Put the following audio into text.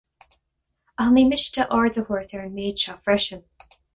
Ach ní miste aird a thabhairt ar an méid seo, freisin.